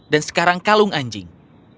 dan sekarang kalung anjing